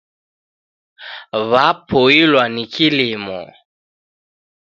W'apoilwa ni kilimo